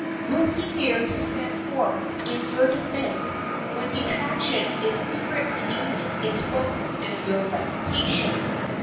Will he dare to stand forth in your defense when detraction is secretly aiming its weapon at your reputation?